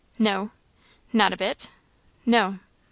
"No." "Not a bit?" "No."